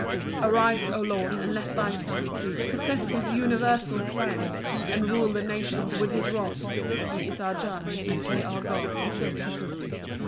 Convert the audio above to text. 4 Arise, O Lord, and let thy Son Possess his universal throne, And rule the nations with his rod; He is our judge, and he our God.